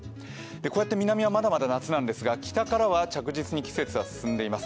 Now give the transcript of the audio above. こうやって南はまだまだ夏なんですが、北からは季節は進んでいます。